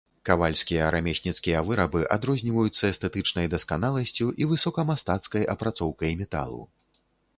Кавальскія рамесніцкія вырабы адрозніваюцца эстэтычнай дасканаласцю і высокамастацкай апрацоўкай металу.